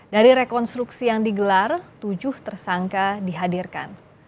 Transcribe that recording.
dari rekonstruksi yang digelar tujuh tersangka dihadirkan